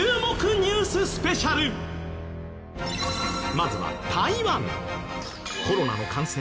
まずは台湾。